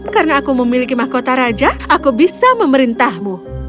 karena aku memiliki mahkota raja aku bisa memerintahmu